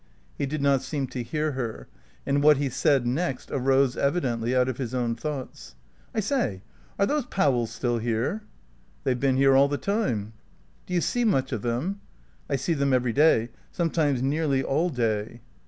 He did not seem to hear her; and what he said next arose evidently out of his own thoughts. "I say, are those Powells still here?" "They've been here all the time." "Do you see much of them?" "I see them every day. Sometimes nearly all day."